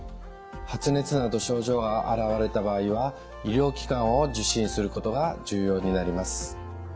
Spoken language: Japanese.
発熱など症状が現れた場合は医療機関を受診することが重要になります。